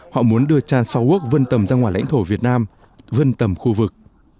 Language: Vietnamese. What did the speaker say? họ muốn đưa trans bốn work vân tầm ra ngoài lãnh thổ việt nam vân tầm khu vực